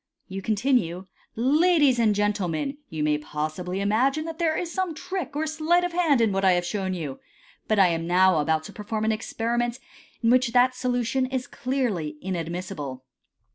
You continue, " Ladies and gentlemen, you may possibly imagine that there is some trick or sleight of hand in what I have shown you, but I am now about to perform an experiment in which that solution is clearly inadmissible.